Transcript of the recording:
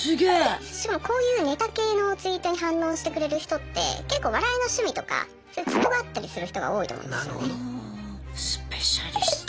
しかもこういうネタ系のツイートに反応してくれる人って結構笑いの趣味とかそういうツボが合ったりする人が多いと思うんですよね。